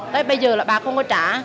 tới bây giờ là bà không có trả